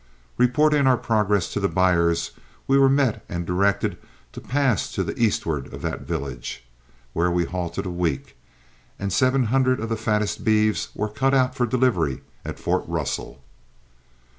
Reporting our progress to the buyers, we were met and directed to pass to the eastward of that village, where we halted a week, and seven hundred of the fattest beeves were cut out for delivery at Fort Russell.